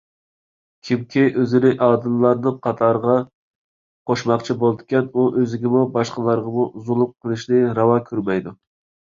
كىمكى ئۆزىنى ئادىللارنىڭ قاتارىغا قوشماقچى بولىدىكەن، ئۇ ئۆزىگىمۇ، باشقىلارغىمۇ زۇلۇم قىلىشنى راۋا كۆرمەيدۇ.